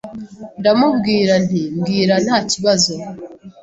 Ndamubwira nti’mbwira nta kibazo